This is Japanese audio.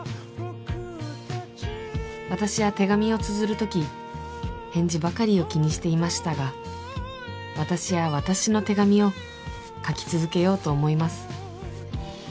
私は手紙をつづるとき返事ばかりを気にしていましたが私は私の手紙をかき続けようと思います